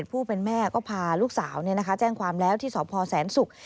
ผู้เป็นแม่ก็พาลูกสาวเนี่ยนะคะแจ้งความแล้วที่สศศศุกร์